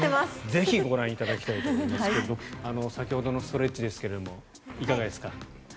ぜひご覧いただきたいと思いますが先ほどのストレッチですがいかがですか。